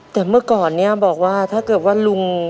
แต่เมื่อก่อนเนี่ยบอกว่าถ้าเกิดว่าลุง